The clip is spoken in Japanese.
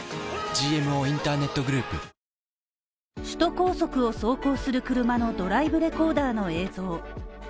首都高速を走行する車のドライブレコーダーの映像。